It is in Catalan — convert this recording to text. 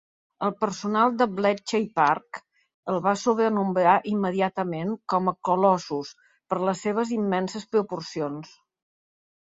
El personal de Bletchley Park el va sobrenomenar immediatament com a "Colossus" per les seves immenses proporcions.